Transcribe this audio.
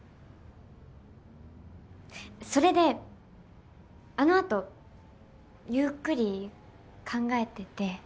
それであのあとゆっくり考えてて。